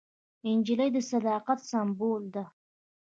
نجلۍ د صداقت سمبول ده.